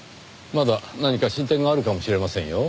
まだ何か進展があるかもしれませんよ。